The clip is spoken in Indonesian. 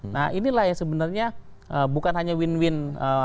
nah inilah yang sebenarnya bukan hanya win win